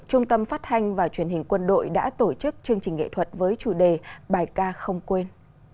trung tâm phát thanh và truyền hình quân đội đã tổ chức chương trình nghệ thuật với chủ đề bài ca không quên